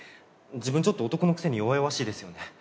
自分ちょっと男のくせに弱々しいですよね。